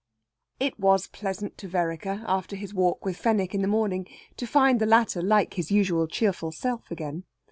It was pleasant to Vereker, after his walk with Fenwick in the morning, to find the latter like his usual cheerful self again.